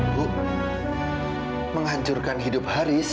bu menghancurkan hidup haris